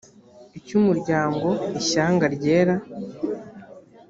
icyo umuryango ishyanga ryera